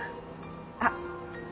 あっ。